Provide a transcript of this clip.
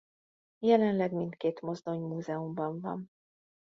Jelenleg mindkét mozdony múzeumban van.